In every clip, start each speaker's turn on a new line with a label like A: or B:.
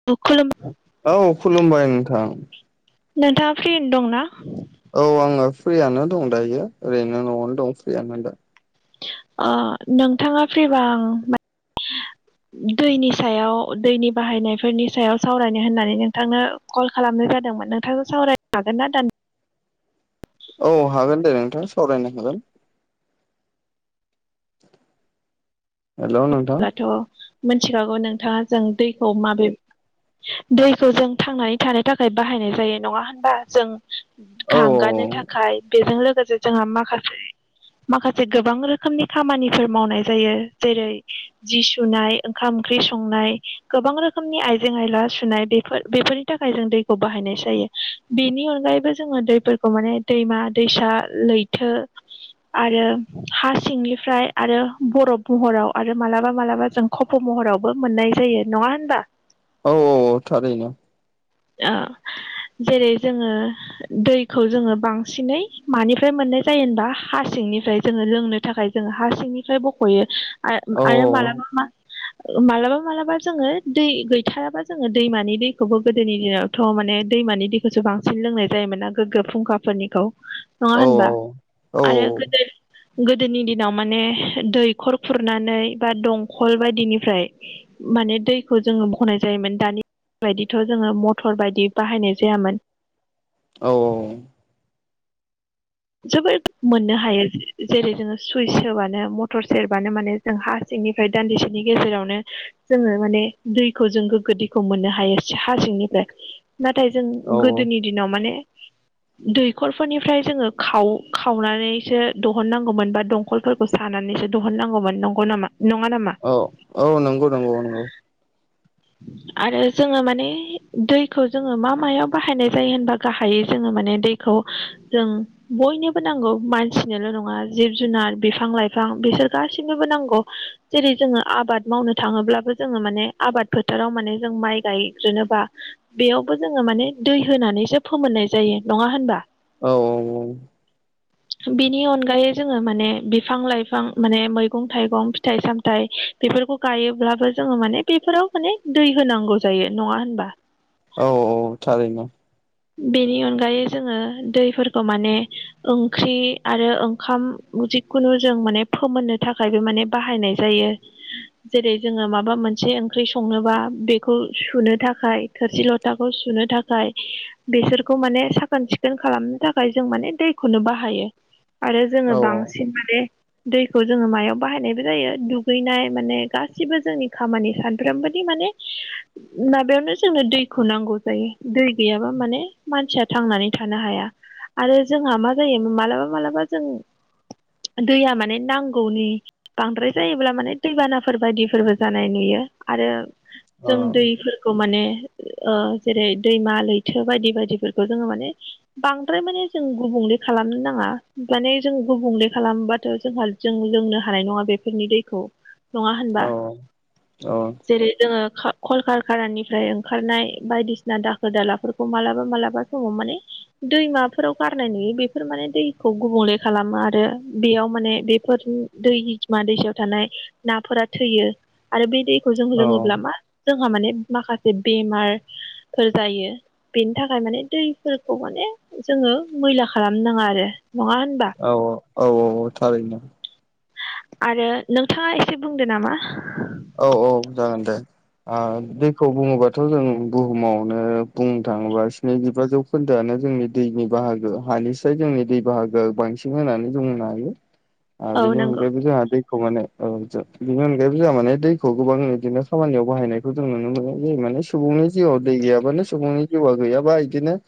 A: [unintelligible]
B: औ खुलुमबाय नोंथां
A: नोंथाङा फ्रियैनो दंना
B: औ आङो फ्रियानो दं दायो ओरैनो न'आवनो दं फ्रियानो दा
A: ओ नोंथाङा फ्रिबा आं दैनि सायाव दैनि बाहायनायफोरनि सायाव सावरायनो होननानै नोंथांनो कल खालामनाय जादोंमोन नोंथांजों सावरायनो हागोन ना [unintelligible]
B: औ हागोन दे नोंथाङा सावरायनो हागोन हेल' नो
A: ब्लाथ' मोनथिखागौ नोंथाङा जों दैखौ माबे दैखौ जों थांनानै थानो थाखाय बाहायनाय जायो नङा होनबा जों
B: औ
A: गांगानो थाखाय बेजों लोगोसे जोंहा माखासे माखासे गोबां रोखोमनि खामानिफोर मावनाय जायो जेरै जि सुनाय ओंखाम ओंख्रि संनाय गोबां रोखोमनि आइजें आयला सुनाय बेफोर बेफोर थाखाय जों दैखौ बाहायनाय जायो बेनि अनगायैबो जोङो दैफोरखौ माने दैमा दैसा लै तो आरो हा सिंनिफ्राय आरो बरफ महराव आरो मालाबा मालाबा जों खप' महरावबो मोननाय जायो नङा होनबा
B: औ औ औ थारैनो
A: ओ जेरै जोङो दैखौ जोङो बांसिनै मानिफ्राय मोननाय जायो होनबा हा सिंनिफ्राय जोङो लोंनो थाखाय जों हा सिंनिफ्राय बख'यो आरो
B: औ
A: आरो मालाबा मा मालाबा मालाबा जोङो दै गैथाराबा जोङो दैमानि दैखौबो गोदोनि दिनावथ' माने दैमानि दैखौसो बांसिन लोंनाय जायोमोना गोग्गो फुंखाफोरनिखौ नङा
B: औ
A: होनबा
B: औ
A: आरो गोदो गोदोनि दिनाव माने दैखर खुरनानै बा दंखल बायदिनिफ्राय माने दैखौ जोङो बखनाय जायोमोन दानि बायदि थ' जोङो मटर बायदि बाहायनाय जायामोन
B: औ
A: जोबोद मोननो हायो जेरै जोङो सुइस सोबानो मटर सेरबानो माने जों हा सिंनिफ्राय दान्दिसेनि गेजेरावनो जोङो माने दैखौ जों गोग्गो दैखौ मोननो हायो हा सिंनिफ्राय नाथाय जों
B: औ
A: गोदोनि दिनाव माने दैखरफोरनिफ्राय जोङो खाव खावनानैसो दहननांगौमोन बा दंखलफोरखौ [unintelligible] नानैसो दहननांगौमोन नंगौ नामा नङा नामा?
B: अ औ नंगौ नंगौ नंगौ
A: आरो जोङो माने दैखौ जोङो मा मायाव बाहायनाय जायो होनबा गाहायै जोङो माने दै खौ जों बयनोबो नांगौ मानसिनोल' नङा जिब-जुनार, बिफां-लाइफां बिसोर गाससिनोबो नांगौ जेरै जोङो आबाद मावनो थाङोब्लाबो जोङो माने आबाद फोथाराव माने जों माइ गायग्रोनोबा बेयावबो जोङो माने दै होनानैसो फोमोननाय जायो नङा होनबा?
B: औ औ औ
A: बिनि अनगायै जोङो माने बिफां-लाइफां माने मैगं-थाइगं फिथाइ-सामथाइ बेफोरखौ गायोब्लाबो जोङो माने बेफोराव माने दै होनांगौ जायो नङा होनबा
B: औ औ थारैनो
A: बेनि अनगायै जोङो दैफोरखौ माने ओंख्रि आरो ओंखाम जिखुनु जों माने फोमोननो थाखायबो माने बाहायनाय जायो जेरै जोङो माबा मोनसे ओंख्रि संनोबा बेखौ सुनो थाखाय थोरसि लथाखौ सुनो थाखाय बेसोरखौ माने साखोन-सिखोन खालामनो थाखाय जों माने दैखौनो बाहायो आरो जोङो
B: औ औ
A: बांसिन माने दैखौ जोङो मायाव बाहायनायबो जायो दुगैनाय माने गासिबो जोंनि खामानि सानफ्रोमबोनि माने माबायावनो जोंनो दैखौ नांगौ जायो दै गैयाबा माने मानसिया थांनानै थानो हाया आरो जोंहा मा जायो मालाबा मालाबा जों दैया माने नांगौनि बांद्राय जायोब्ला माने दैबानाफोर बायदिफोरबो जानाय नुयो आरो जों दैफोरखौ माने ओ जेरै दैमा लैथो बायदि बायदिफोरखौ जोङो माने बांद्राय माने जों गुबुंले खालामनो नाङा माने जों गुबुंले खालामबाथ' जोंहा जों लोंनो हानाय नङा बेफोरनि दैखौ नङा होनबा
B: अ
A: जेरै जोङो ख खलखारखानानिफ्राय ओंखारनाय बायदिसिना दाखोर दालाफोरखौ मालाबा बा मालाबा समाव माने दैमाफोराव गारनाय नुयो बेफोर माने दैखौ गुबुंले खालामो आरो बेयाव माने बेफोर दैमा दैसायाव थानाय नाफोरा थैयो आरो बे दैखौ जों
B: औ
A: लोङोब्ला मा जोंहा माने माखासे बेमारफोर जायो बेनि थाखाय माने दैफोरखौ माने जोङो मैला खालाम नाङा आरो नङा होनबा
B: औ औ औ औ थारैनो
A: आरो नोंथाङा एसे बुंदो नामा
B: औ औ जागोन दे ओ दैखौ बुङोबाथ' जों बुहुमावनो बुंनो थाङोबा स्निजिबा जौखो खोन्दोआनो जोंनि दैनि बाहागो हानिसाय जोंनि दै बाहागोआ बांसिन होनानै जों बुंनो हायो
A: [inaudible]
B: ओ बिनि
A: नंगौ
B: अनगायैबो जोंहा दैखौ माने ओ जों बिनि अनगायैबो जोंहा माने दैखौ गोबां बिदिनो खामानियाव बाहायनायखौ जों नुनो मोनो जायो माने सुबुंनि जिउआव दै गैयाबानो सुबुंनि जिउआ गैयाबा इदिनो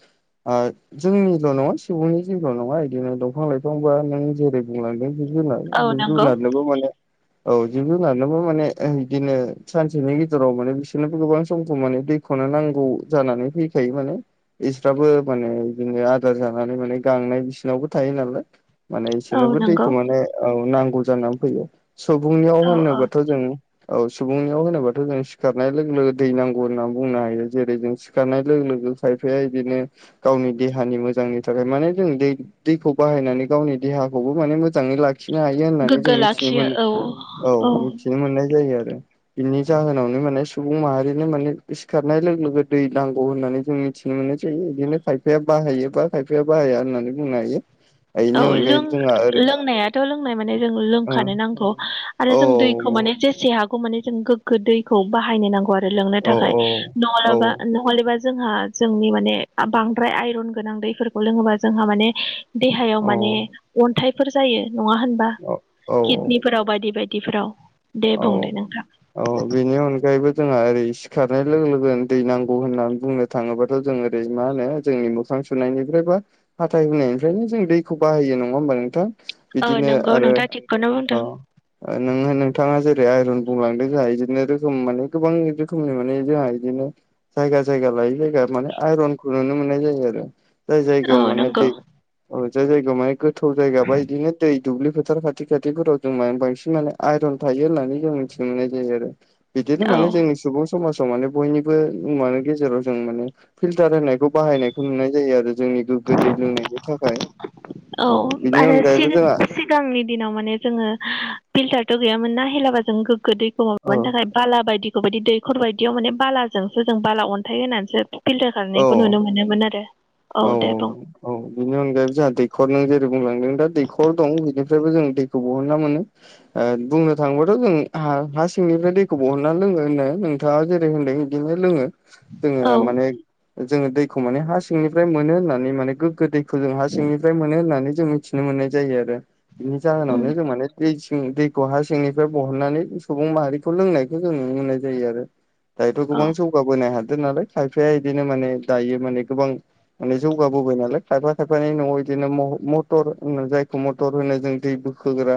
B: ओ जोंनिल' नङा सुबुंनि जिउल' नङा इदिनो दंफां-लाइफांबा नों जेरै बुंलांदों जिब-जुनार
A: औ नंगौ
B: जिब-जुनारनोबो माने औ जिब-जुनारनोबो माने ओ बिदिनो सानसेनि गेजेराव माने बिसोरनोबो गोबां समखौ माने दैखौनो नांगौ जानानै फै जायो माने इसफ्राबो माने बिदिनो आदार जानानै माने गांनाय बिसिनावबो थायो नालाय माने
A: औ
B: बिसोरनोबो
A: नंगौ
B: दैखौ माने नांगौ जानानै फैयो सुबुंनियाव
A: औ औ
B: होनोबाथ' जों औ सुबुंनियाव होनोबाथ' जों सिखारनाय लोगो लोगो दै नांगौ होननानै बुंनो हायो जेरै जों सिखारनाय लोगो लोगो खायफाया बिदिनो गावनि देहानि मोजांनि थाखाय माने जों दै दैखौ बाहायनानै गावनि देहाखौबो माने मोजाङै लाखि खिनो हायो होननानै जों
A: गोग्गो
B: मिथिनो
A: लाखियो
B: मोनो
A: औ
B: औ मिथिनो मोननाय जायो आरो बिनि जाहोनावनो माने सुबुं माहारिनो माने सिखारनाय लोगो लोगो दै नांगौ होननानै जों मिथिनो मोननाय जायो बिदिनो पाइप खायफाया बाहायो बा खायफाया बाहाया होननानै बुंनो हायो
A: [inaudible] औ लों
B: बेनि अनगायैबो जोंहा ओरै
A: लोंनायाथ' लोंनाय माने जों लोंखानो नांगौ आरो
B: औ
A: जों दैखौ माने जेसे हागौ माने जों गोग्गो दैखौ बाहायनो नांगौ आरो लोंनो
B: औ
A: थाखाय
B: औ
A: नङाबा नहेबा जोंहा जोंनि माने बांद्राय आइरन गोनां दैफोरखौ लोङोबा जोंहा माने दै याव माने अन्थाइफोर जायो नङा होनबा
B: औ
A: किदनिफोराव बायदि बायदिफोराव दे
B: औ
A: बुंदो नोंथां
B: औ बेनि अनगायैबो जोंहा ओरै सिखारनाय लोगो लोगोनो दै नांगौ होननानै बुंनो थाङोबाथ' जों ओरै मा होनो जोंनि मोखां सुनायनिफ्राय बा हाथाय हुनायनिफ्रायनो जों दैखौ बाहायो नङा होमबा नोंथां
A: औ
B: बिदिनो
A: नंगौ
B: आरो
A: नोंथाङा थिगखौनो
B: औ
A: बुंदों
B: नोङो नों थाङा जेरै आइरन बुंलांदों जोंहा बिदिनो रोखोम माने गोबां रोखोमनि माने जोंहा बिदिनो जायगा जायगा लायै जायगा माने आइरनखौ नुनो मोननाय जायो आरो जाय जायगायाव
A: औ
B: माने
A: नंगौ
B: दै औ जाय जायगायाव माने गोथौ जायगा बा इदिनो दै दुब्लि फोथार खाथि खाथिफोराव जों माने बांसिन माने आइरन थायो होननानै जों मिथिनो मोननाय जायो आरो बिदिनो
A: औ
B: माने जोंनि सुबुं समाजाव माने बयनिबो मुवानि गेजेराव जों माने फिल्टार होनायखौ बाहायनायखौ नुनाय जायो आरो जोंनि गोग्गो दै लोंनायनि थाखाय
A: औ
B: बिनि
A: आरो
B: अनगायैबो जोंहा
A: सिगो सि [unintelligible] गांनि दिनाव माने जोङो फिल्टारथ' गैयामोन ना हेलाबा जों गोगो दैखौ
B: औ
A: माबानो थाखाय बाला बायदिखौ बायदि दैखर बायदियाव माने बालाजोंसो जों बाला अन्थाइ होनानैसो फिल्टार खालामनायखौ
B: औ
A: नुनो मोनोमोन आरो औ दे बुं
B: औ बिनि अनगायै जोंहा दैखर नों जेरै बुंलांदों दा दैखर दं बेनिफ्रायबो जों दैखौ बहनना मोनो ओ बुंनो थाङोबाथ' जों हा सिंनिफ्राय दैखौ बहनना लोङो होनो नों थाङा जेरै होनदों बिदिनो लोङो जोङो
A: औ
B: माने जोङो दैखौ माने हा सिंनिफ्राय मोनो होननानै माने गोग्गो दै खौ जों हा सिंनिफ्राय मोनो होननानै जों मिथिनो मोननाय जायो आरो बिनि
A: उम
B: जाहोनावनो जों माने दै सिं दैखौ हा सिंनिफ्राय बहननानै सुबुं माहारिखौ लोंनायखौ जों नुनो मोननाय जायो आरो दायोथ'
A: औ
B: गोबां जौगाबोनो हादों नालाय खायफाया बिदिनो माने दायो माने गोबां माने जौगाबोबाय नालाय खायफा खायफानि न'आव बिदिनो म मटर होन जायखौ मटर होनो जों दै बो खोग्रा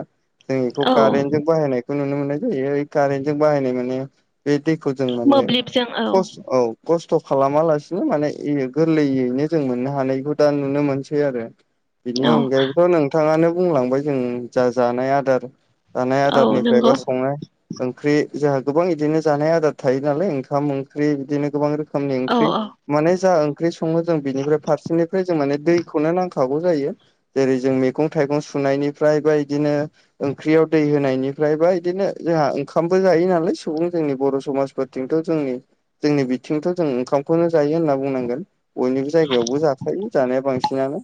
B: जों बेखौ
A: औ
B: कारेन्टजों बाहायनायखौ नुनो मोननाय जायो कारेन्टजों बाहायनाय माने बे दैखौ जों माने
A: मोब्लिबजों औ
B: खस औ खस्थ' खालामालासिनो माने गोरलैयैनो जों मोननो हानायखौ दा नुनो मोनसै आरो बिनि
A: औ
B: अनगायैबोथ' नोंथाङानो बुंलांबाय जों जा जानाय आदार जानाय
A: औ नंगौ
B: आदारनिफ्रायबा संनाय ओंख्रि जोंहा गोबां बिदिनो जानाय आदार थायो नालाय ओंखाम ओंख्रि बिदिनो गोबां रोखोम खोमनि
A: औ
B: ओंख्रि माने जा ओंख्रि सङो जों बिनिफ्राय फारसेनिफ्राय जों माने दैखौनो नांखागौ जायो जेरै जों मैगं थाइगं सुनायनिफ्राय बा इदिनो ओंख्रियाव दै होनायनिफ्राय बा बिदिनो जोंहा ओंखामबो जायो नालाय सुबुं जोंनि बर' समाजफोर थिंथ' जोंनि जोंनि बिथिंथ' जों ओंखाम खौनो जायो होनना बुंनांगोन बयनिबो जायगायावबो जाफायो जानाया बांसिनानो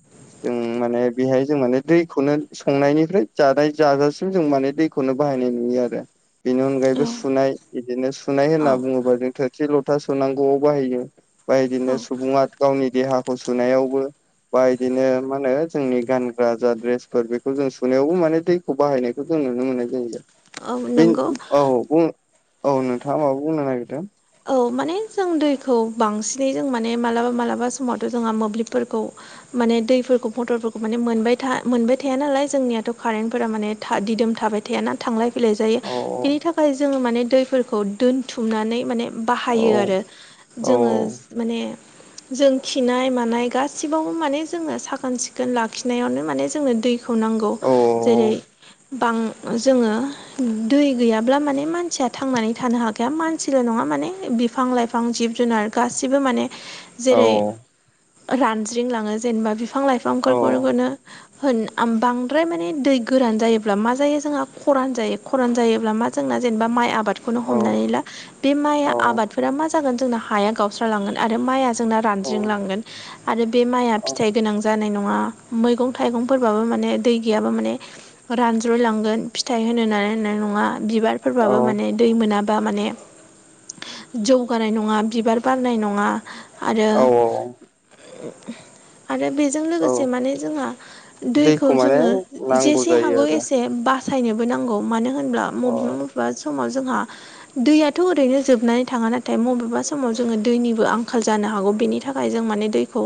B: जों माने बेहाय जों माने दैखौनो संनायनिफ्राय जानाय जाजासिम जों माने दैखौनो बाहायनाय नुयो आरो बेनि अनगायैबो
A: औ
B: सुनाय बिदिनो सुनाय होनना
A: औ
B: बुङोबा जों थोरसि लथा सुनांगौ बाहायो बा बिदिनो
A: औ
B: सुबुङा गावनि देहाखौ सुनायावबो बा इदिनो मा होनो जोंनि गानग्रा जा ड्रेसफोर बेखौ जों सुनायावबो माने दै खौ बाहायनायखौ जों नुनो मोननाय जायो
A: औ
B: बे
A: नंगौ
B: औ बुं औ नोंथाङा माबा बुंनो नागिरदों
A: औ माने जों दैखौ बांसिनै जों माने मालाबा मालाबा समावथ' जोंहा मोब्लिबफोरखौ माने दैफोरखौ मटरफोरखौ माने मोनबाय था मोनबाय थाया नालाय जोंनियाथ' कारेन्टफोरा माने दिदोम थाबाय था थाया थांलाय फैलाय जायो
B: औ
A: बिनि थाखाय जोङो माने दैफोरखौ दोनथुमनानै माने
B: औ
A: बाहायो आरो
B: औ
A: जोङो माने जों खिनाय मानाय गासिबावबो माने जोङो साखोन सिखोन लाखिनायावनो माने जोंङो दै खौ नांगौ
B: औ
A: जेरै बां जोङो दै गैयाब्ला माने मानसिया थांनानै थानो हाखाया मानसिल' नङा माने बिफां लाइफां जिब जुनार गासिबो माने
B: औ
A: जेरै रानज्रिंलाङो जेनेबा बिफां
B: औ
A: लाइफांफोरखौनो [unintelligible] होन बांद्राय माने दै गोरान जायोब्ला मा जायो जोंहा खरान जायो खरान जायोब्ला मा जोंना जेनोबा माइ आबाद खौनो हमनानै
B: औ
A: ला बे माइ आबादफोरा मा जागोन जोंना हाया गावसालांगोन आरो माइ आं जों जोंनो
B: औ
A: रानज्रिं
B: औ
A: लांगोन आरो बे माइआ
B: औ
A: फिथाइ गोनां जा जानाय नङा मैगं थाइगंफोरबाबो माने दै गैयाबा माने रानज्रायलांगोन फिथाइ होनो हानाय नङा
B: औ
A: बिबारफोरबाबो माने दै मोनाबा माने जौगानाय नङा बिबार बारनाय नङा आरो
B: औ
A: उम आरो बेजों
B: औ
A: लोगोसे माने जोंहा दैखौ
B: माने
A: जोङो
B: नांगौ
A: जेसे
B: जायो
A: हागौ
B: आरो
A: एसे बा बासायनोबो नांगौ मानो होनब्ला मबेबा मबेबा समाव जोंहा दैयाथ' ओरैनो जोबनानै थाङा नाथाय बबेबा समाव जोङो दैनिबो आंखाल जानो हागौ बेनि थाखाय जों मानि दैखौ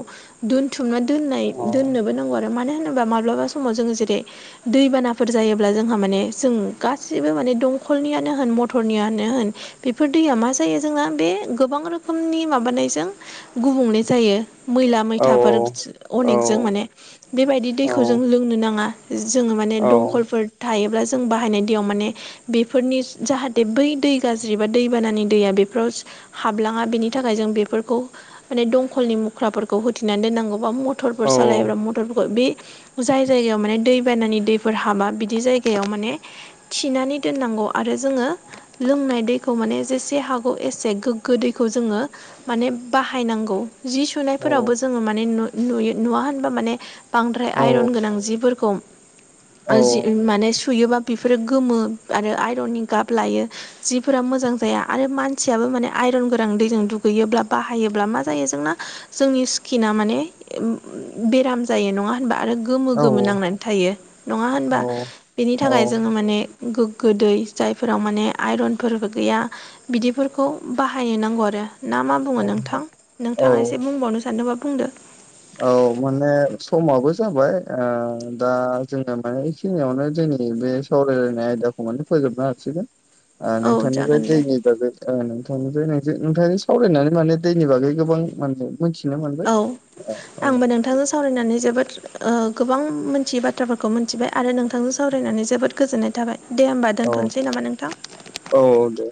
A: दोनथुमना दोननाय
B: अ
A: दोननोबो नांगौ आरो मानो होनोबा माब्लाबा समाव जोङो जेरै दै बानाफोर जायोब्ला जोंहा माने जों गासिबो माने दंखलनिआनो होन मथरनिआनो होन बिब बेफोर दैया मा जायो जोंना बे गोबां रोखोमनि माबानायजों गुबुंले जायो मैला
B: औ
A: मैथाफोर सो
B: औ
A: अनेकजों माने बेबायदि
B: औ
A: दैखौ जों लोंनो नाङा जोङो माने
B: औ
A: दंखलफोर थायोब्ला जों बाहायनाय दैयाव माने बेफोरनि जाहाथे बै दै गाज्रि फो एबा दैबानानि दैया बेफोराव सो हाबलांआ बेनि थाखाय जों बेफोरखौ माने दंखलनि मुख्राफोरखौ होथनानै दोननांगौबा मटरफोर
B: औ
A: सालायोबा मटरफोरखौ बे जाय जायगायाव माने दै बानानि दैफोर हाबा बिदि जायगायाव माने थिनानै दोननांगौ आरो जोङो लोंनाय दै खौ माने जेसे हागौ एसे गोग्गो दैखौ जोङो माने बाहायनांगौ जि सुनायफोरावबो जोङो माने नुयो नुवा होनबा माने बांद्राय आइरन गोनां जिफोरखौ जि माने सु सुयोबा बिफोरो गोमो आरो आइरननि गाब लायो जिफोर फोरा मोजां जाया आरो मानसिआबो माने आइरन गोरां दैजों दुगैयोब्ला बाहायोब्ला मा जायो जोंना जोंनि स्किना माने बेराम जायो नङा होनबा आरो गो गोमो
B: औ
A: गोमो नांनानै थायो नङा होनबा
B: औ
A: बेनि थाखाय जोङो माने गोग्गो दैै जायफोराव माने आइरन फोरबो गैया बिदिफोरखौ बाहायनो नांगौ आरो ना मा बुङो नोंथां
B: औ
A: नोंथांआ एसे बुंबावनो सानोदोंबख बुंदो
B: औ माने समाबो जाबाय ओ दा जोङो माने बेखिनिआवनो जोंनि बे सावरायलायनाय आयदाखौ माने फोजोबना होसैदे
A: [inaudible]
B: ओ नोंथांनिफ्राय
A: जागोन दे
B: दैनि बागै ओ नोंथांनिफ्राय नों नोंथां सावरायनानै माने दैनि बागै गोबां माने मिथिनो मोनबाय
A: औ
B: औ
A: आंबो नोंथांजों सा सावरायनानै जोबोद ओ गोबां मोनथियै बाथ्राफोरखौ मोनथिबाय आरो नोंथांजों सा सावरायनानै जोबोद गोजोननाय थाबाय दे होमबा
B: औ
A: दोनथ'नोसै नामा नोंथां?
B: औ दे